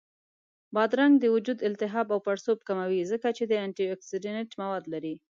بادرنګ د وجود التهاب او پړسوب کموي، ځکه چې انټياکسیدنټ مواد لري